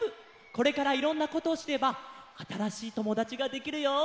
これからいろんなことをしればあたらしいともだちができるよ。